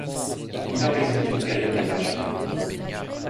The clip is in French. Il en résulte une période de vaches maigres.